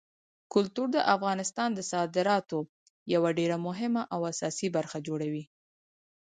کلتور د افغانستان د صادراتو یوه ډېره مهمه او اساسي برخه جوړوي.